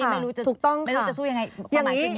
ไม่รู้จะสู้อย่างไรความหมายเป็นอย่างนี้